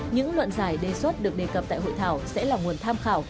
những luận giải đề xuất được đề cập tại hội thảo sẽ là nguồn tham khảo